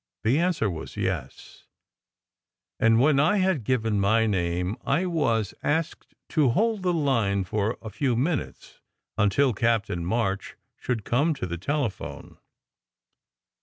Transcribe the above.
The answer was "yes"; and when I had given my name, I was asked to hold the line for a few minutes, until Captain March should come to the telephone.